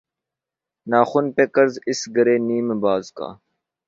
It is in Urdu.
ناخن پہ قرض اس گرہِ نیم باز کا